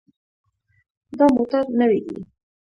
دا موټر نوی دی.